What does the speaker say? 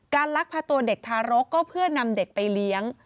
ลักพาตัวเด็กทารกก็เพื่อนำเด็กไปเลี้ยง